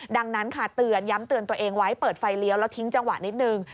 ดังนั้นค่ะเตือนย้ำเตือนตัวเองไว้เปิดไฟเลี้ยวแล้วทิ้งจังหวะนิดนึง